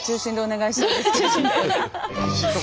お願いします。